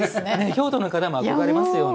京都の方も憧れますよね。